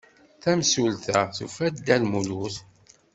Tamsulta tufa-d Dda Lmulud.